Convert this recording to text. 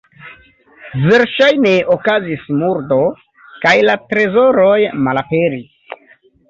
Verŝajne okazis murdo kaj la trezoroj malaperis.